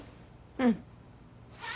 うん。